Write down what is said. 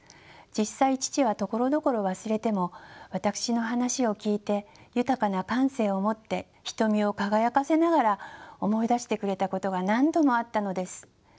実際父はところどころ忘れても私の話を聞いて豊かな感性を持って瞳を輝かせながら思い出してくれたことが何度もあったのです。